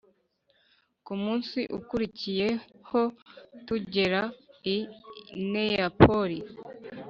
Ku munsi ukurikiyeho tugera i neyapoli